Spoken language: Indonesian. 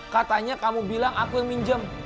katanya kamu bilang aku yang minjem